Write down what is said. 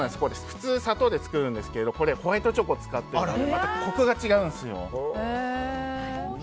普通、砂糖で作るんですけどホワイトチョコを使っていてまたコクが違うんですよ。